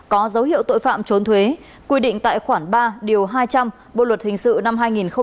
có dấu hiệu tội phạm trốn thuế quy định tại khoản ba điều hai trăm linh bộ luật hình sự năm hai nghìn một mươi năm